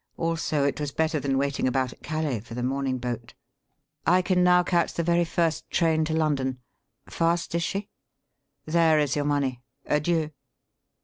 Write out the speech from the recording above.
Also it was better than waiting about at Calais for the morning boat. I can now catch the very first train to London. Fast is she? There is your money. Adieu!"